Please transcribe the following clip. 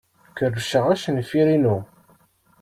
Kerrceɣ acenfir-inu.